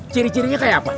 ciri cirinya kayak apa